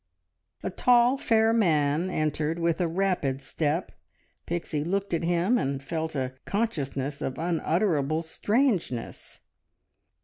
A tall, fair man entered with a rapid step. Pixie looked at him, and felt a consciousness of unutterable strangeness.